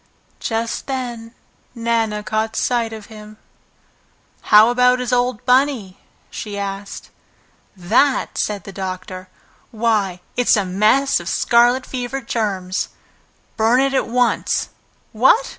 Just then Nana caught sight of him. "How about his old Bunny?" she asked. "That?" said the doctor. "Why, it's a mass of scarlet fever germs! Burn it at once. What?